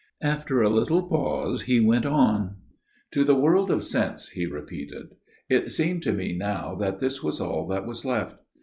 After a little pause he went on " To the world of sense," he repeated. " It seemed to me now that this was all that was left.